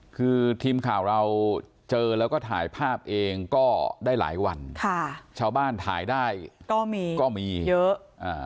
คือทีมข่าวเราเจอแล้วก็ถ่ายภาพเองก็ได้หลายวันค่ะชาวบ้านถ่ายได้ก็มีก็มีเยอะอ่า